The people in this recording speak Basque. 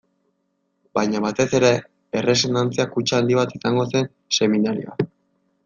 Baina batez ere, erresonantzia kutxa handi bat izango zen seminarioa.